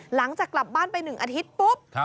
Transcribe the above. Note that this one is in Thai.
หลังจากกลับบ้านไป๑อาทิตย์ปุ๊บ